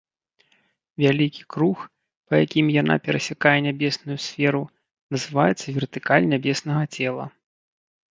Вялікі круг, па якім яна перасякае нябесную сферу, называецца вертыкаль нябеснага цела.